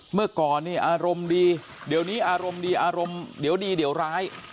เมื่อก่อนเนี่ยอารมณ์ดีเดี๋ยวนี้อารมณ์ดีอารมณ์เดี๋ยวดีเดี๋ยวร้าย